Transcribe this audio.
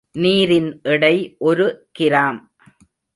நீரின் எடை ஒரு கிராம்.